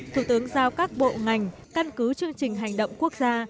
thủ tướng giao các bộ ngành căn cứ chương trình hành động quốc gia